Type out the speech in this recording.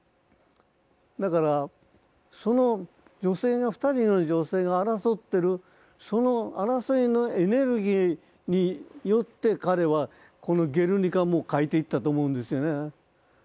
だからその女性が２人の女性が争ってるその争いのエネルギーによって彼はこの「ゲルニカ」も描いていったと思うんですよね。